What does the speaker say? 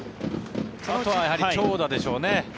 あとは長打でしょうね。